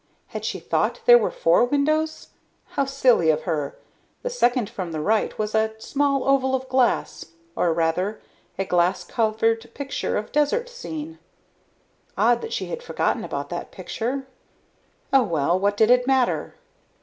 Had she thought there were four windows? How silly of her. The second from the right was a small oval of glass, or rather, a glass covered picture of desert scene. Odd that she had forgotten about that picture. Oh well, what did it matter.